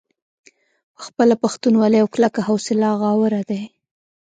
پۀ خپله پښتونولۍ او کلکه حوصله غاوره دے ۔